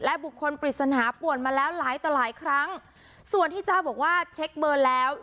บุคคลปริศนาป่วนมาแล้วหลายต่อหลายครั้งส่วนที่เจ้าบอกว่าเช็คเบอร์แล้ว